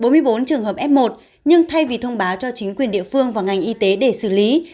bốn mươi bốn trường hợp f một nhưng thay vì thông báo cho chính quyền địa phương và ngành y tế để xử lý